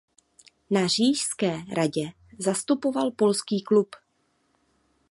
Na Říšské radě zastupoval Polský klub.